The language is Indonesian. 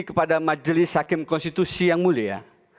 kepada majelis hakim konstitusi yang mulia